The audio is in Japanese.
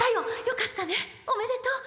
「よかったねおめでとう。